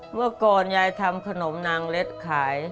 เมื่อก่อนยายทำขนมนางเล็ดขาย